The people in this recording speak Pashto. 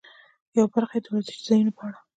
یوه برخه د وزرشي ځایونو په اړه.